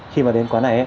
khi mà đến quán này